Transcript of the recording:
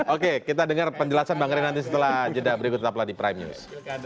oke kita dengar penjelasan bang ray nanti setelah jeda berikut tetaplah di prime news